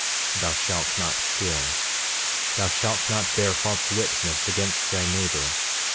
Thou shalt not steal. 13:23 Thou shalt not bear false witness against thy neighbor.